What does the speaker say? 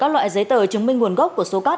các loại giấy tờ chứng minh nguồn gốc của số cát